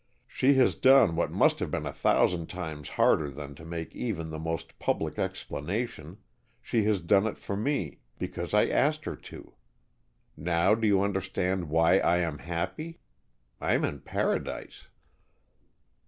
She has done what must have been a thousand times harder than to make even the most public explanation, she has done it for me, because I asked her to. Now do you understand why I am happy? I'm in Paradise!"